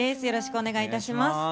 よろしくお願いします！